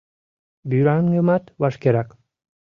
Вӱраҥымат вашкерак